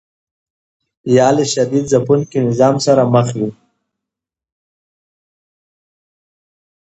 یا له شدید ځپونکي نظام سره مخ یو.